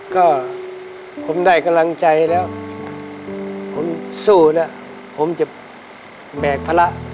ก็ผมได้กำลังใจแล้วผมสู้แล้วผมจะแบกภาระ